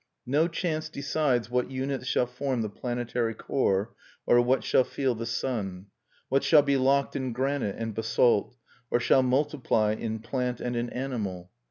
No chance decides what units shall form the planetary core, or what shall feel the sun; what shall be locked in granite and basalt, or shall multiply in plant and in animal.